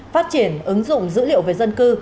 phát triển ứng dụng dữ liệu về dân cư